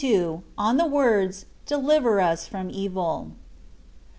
OV THB WORDS, "DELIVBR US FBOM EVIL."